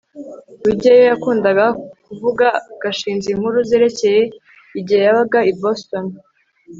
rugeyo yakundaga kuvuga gashinzi inkuru zerekeye igihe yabaga i boston